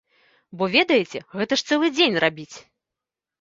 Бо ведаеце, гэта ж цэлы дзень рабіць!